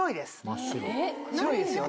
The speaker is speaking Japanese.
白いですよね。